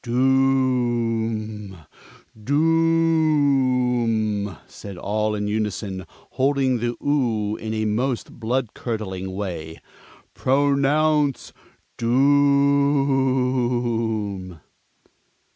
"Doom, doom!" said all in unison, holding the "oo" in a most blood curdling way. "Pronounce doom!"